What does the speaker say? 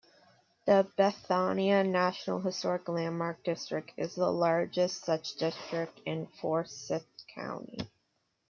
The Bethania National Historic Landmark district is the largest such district in Forsyth County.